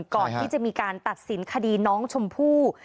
ก่อนที่จะมีการตัดสินคดีน้องชมพู่